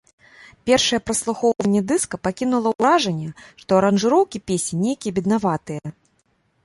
Першае праслухоўванне дыска пакінула ўражанне, што аранжыроўкі песень нейкія беднаватыя.